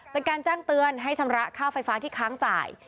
เป็นการแจ้งเตือนให้ชำระค่าไฟฟ้าที่ค้างจ่าย